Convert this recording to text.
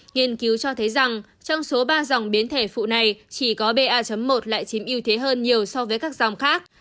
nghiên cứu cho thấy rằng trong số ba dòng biến thể phụ này chỉ có ba một lại chiếm ưu thế hơn nhiều so với các dòng khác